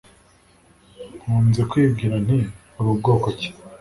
Nkunze kwibwira nti uri bwoko ki